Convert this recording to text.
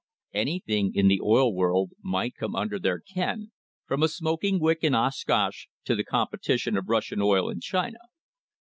Anything in the oil world might come under their ken, from a smoking wick in Oshkosh to the competition of Russian oil in China.